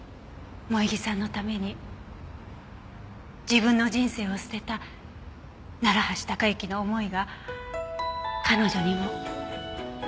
萌衣さんのために自分の人生を捨てた楢橋高行の思いが彼女にも。